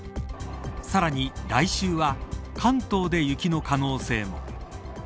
さらに来週は関東で雪の可能性も。